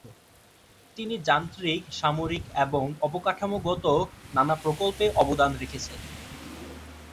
তিনি যান্ত্রিক, সামরিক এবং অবকাঠামোগত নানা প্রকল্পে অবদান রেখেছেন।